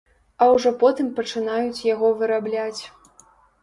А ўжо потым пачынаюць яго вырабляць.